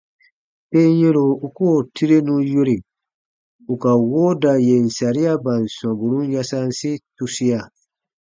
Tem yɛ̃ro u koo tirenu yore ù ka wooda yèn sariaban sɔmburun yasansi tusia.